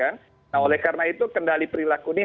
nah oleh karena itu kendali perilaku ini